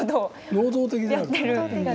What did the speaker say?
能動的であると。